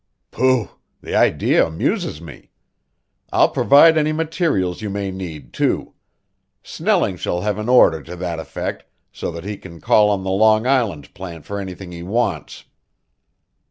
"Pooh! the idea amuses me. I'll provide any materials you may need, too. Snelling shall have an order to that effect so that he can call on the Long Island plant for anything he wants."